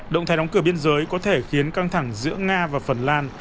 động thái đóng cửa biên giới có thể khiến căng thẳng giữa nga và phần lan